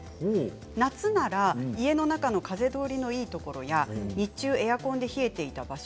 夏なら家の中の風通りのいいところや日中、エアコンで冷えていた場所